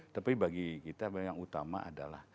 tapi bagi kita yang utama adalah